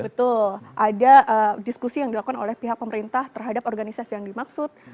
betul ada diskusi yang dilakukan oleh pihak pemerintah terhadap organisasi yang dimaksud